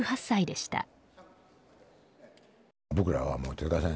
８８歳でした。